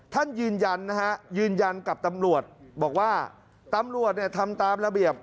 ท่านยืนยันนะฮะยืนยันกับตำรวจบอกว่าตำรวจเนี่ยทำตามระเบียบ